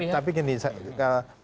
tapi saya melihat